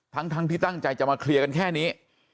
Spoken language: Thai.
ทั้งที่ตั้งใจจะมาเคลียร์กันแค่นี้